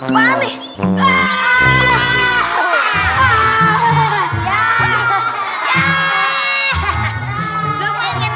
lumayan kena batak